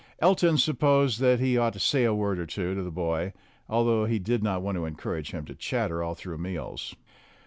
Elton supposed that he ought to say a word or two to the boy, although he did not want to encourage him to chatter all through meals.